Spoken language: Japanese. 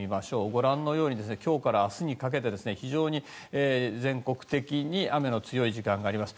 ご覧のように今日から明日にかけて非常に全国的に雨の強い時間があります。